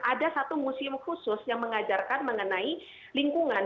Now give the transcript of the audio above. ada satu museum khusus yang mengajarkan mengenai lingkungan